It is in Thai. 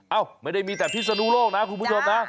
ไม่ได้มีแต่พิศนุโลกนะคุณผู้ชมนะ